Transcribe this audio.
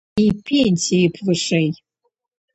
І пенсіі б вышэй.